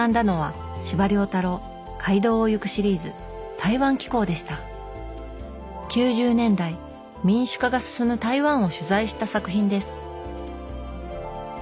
台湾の歴史を学んだのは９０年代民主化が進む台湾を取材した作品です